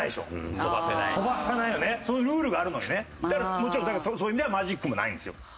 もちろんそういう意味ではマジックもないんですよ。